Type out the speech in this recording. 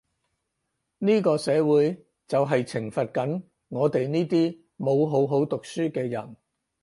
呢個社會就係懲罰緊我哋呢啲冇好好讀書嘅人